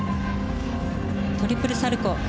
トリプルサルコウ。